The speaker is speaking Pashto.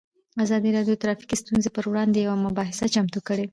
ازادي راډیو د ټرافیکي ستونزې پر وړاندې یوه مباحثه چمتو کړې.